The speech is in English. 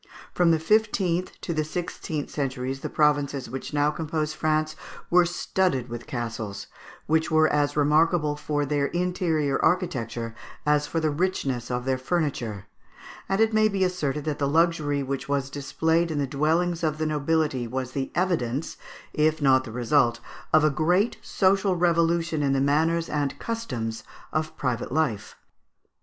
From the fifteenth to the sixteenth centuries, the provinces which now compose France were studded with castles, which were as remarkable for their interior, architecture as for the richness of their furniture; and it may be asserted that the luxury which was displayed in the dwellings of the nobility was the evidence, if not the resuit, of a great social revolution in the manners and customs of private life.